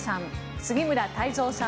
杉村太蔵さん